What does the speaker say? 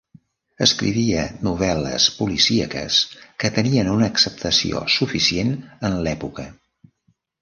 Escrivia novel·les policíaques que tenien una acceptació suficient en l'època.